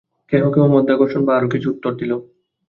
কেহ কেহ মাধ্যাকর্ষণ বা আর কিছু উত্তর দিল।